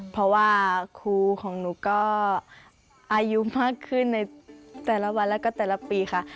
เพราะว่าครูของหนูก็อายุมากขึ้นในแต่ละวันแล้วก็แต่ละปีค่ะ